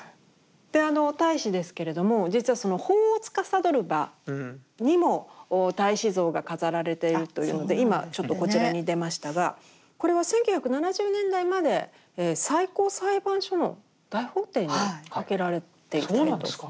であの太子ですけれども実は法をつかさどる場にも太子像が飾られているというので今ちょっとこちらに出ましたがこれは１９７０年代まで最高裁判所の大法廷に掛けられていたようですね。